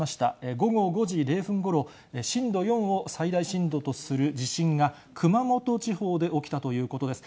午後５時０分ごろ、震度４を最大震度とする地震が、熊本地方で起きたということです。